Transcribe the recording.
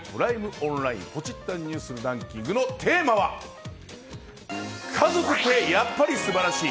オンラインポチッたニュースのランキングのテーマは家族ってやっぱり素晴らしい！